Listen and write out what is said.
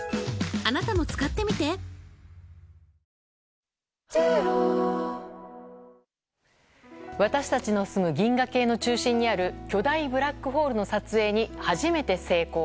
土砂災害や河川の増水・氾濫などに私たちの住む銀河系の中心にある巨大ブラックホールの撮影に初めて成功。